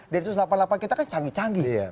dari selapan lapan kita kan canggih canggih